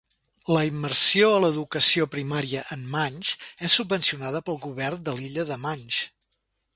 La immersió a l'educació primària en Manx és subvencionada pel govern de l'illa de manx.